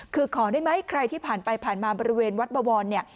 คือขอได้ไหมใครที่ผ่านไปผ่านมาบริเวณวัดบวรเนี่ย